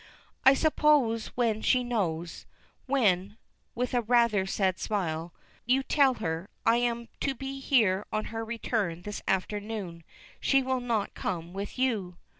"I suppose when she knows when," with a rather sad smile, "you tell her I am to be here on her return this afternoon she will not come with you."